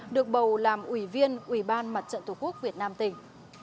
được bầu làm ủy viên ủy ban mặt trận tổ quốc việt nam tỉnh